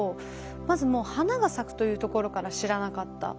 まずもう花が咲くというところから知らなかった。